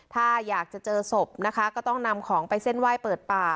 ถ้าอยากจะเจอศพนะคะก็ต้องนำของไปเส้นไหว้เปิดป่า